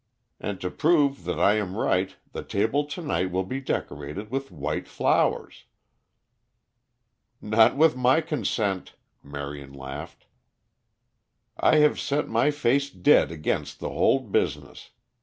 And, to prove that I am right, the table to night will be decorated with white flowers." "Not with my consent," Marion laughed. "I have set my face dead against the whole business.